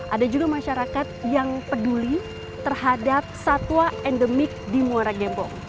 ada juga masyarakat yang peduli terhadap satwa endemik di muara gembong